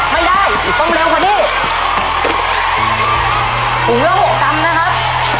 ไม่ได้ต้องเร็วพอดีถูกเร็วหกกำนะครับ